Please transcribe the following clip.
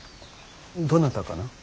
どなたかな。